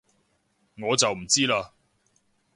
我就唔知喇